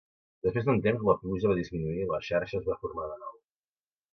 Després d'un temps la pluja va disminuir i la xarxa es va formar de nou.